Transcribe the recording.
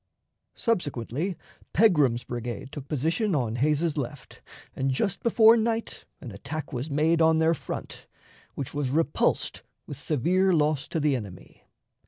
Subsequently, Pegram's brigade took position on Hays's left, and just before night an attack was made on their front, which was repulsed with severe loss to the enemy.